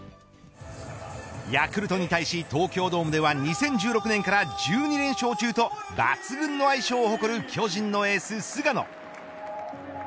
ヤクルトに対して東京ドームでは２０１６年から１２連勝中と抜群の相性を誇る巨人のエース菅野。